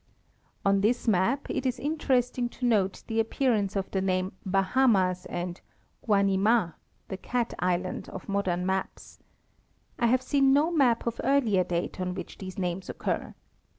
On this map (see plate 11) it is interesting to note the ap pearance of the name '' Bahames" and '"Guanima," the Cat island of modern maps. I have seen no map of earlier date on which these names occur.